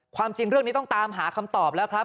ความจริงเรื่องนี้ต้องตามหาคำตอบแล้วครับ